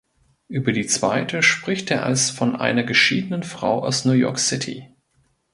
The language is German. Über die zweite spricht er als von einer geschiedenen Frau aus New York City.